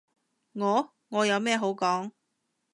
我？我有咩好講？